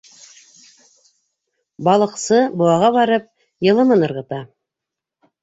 Балыҡсы, быуаға барып, йылымын ырғыта.